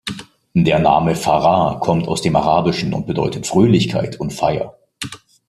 Der Name "Farah" kommt aus dem Arabischen und bedeutet „Fröhlichkeit“ und „Feier“.